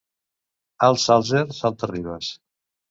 Al Sàlzer, salta-ribes.